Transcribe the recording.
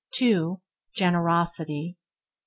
Generosity 3.